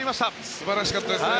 素晴らしかったですね。